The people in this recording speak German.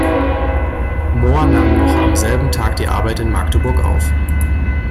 Mohr nahm noch am selben Tag die Arbeit in Magdeburg auf.